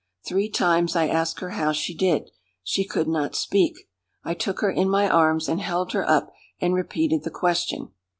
Three times I asked her how she did. She could not speak. I took her in my arms and held her up, and repeated the question.